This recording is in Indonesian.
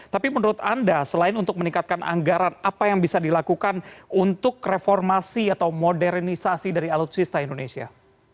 tapi menurut anda selain untuk meningkatkan anggaran apa yang bisa dilakukan untuk reformasi atau modernisasi dari alutsista indonesia